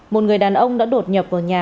một người đàn ông đã đột nhập vào nhà